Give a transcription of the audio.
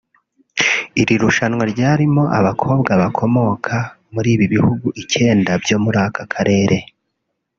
Iri rushanwa ryarimo abakobwa bakomoka mu bihugu icyenda byo muri aka karere